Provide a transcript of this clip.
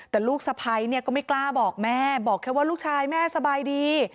แต่ลูกสะพ้ายเนี่ยก็ไม่กล้าบอกแม่บอกแค่ว่าลูกชายแม่สบายดี